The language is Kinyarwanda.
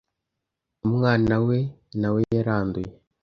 Umwana we nawe yaranduye